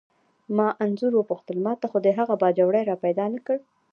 ما انځور وپوښتل: ما ته خو دې هغه باجوړی را پیدا نه کړ؟